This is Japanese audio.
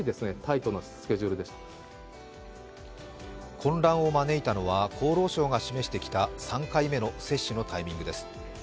混乱を招いたのは、厚労省が示してきた３回目の接種のタイミングです。